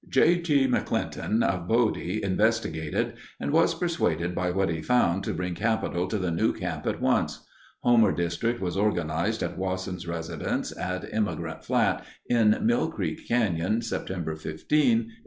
J. G. McClinton, of Bodie, investigated and was persuaded by what he found to bring capital to the new camp at once. Homer District was organized at Wasson's residence at Emigrant Flat, in Mill Creek Canyon, September 15, 1879.